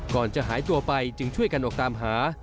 ก่อนจะหายตัวไปจึงช่วยกันออกตามหา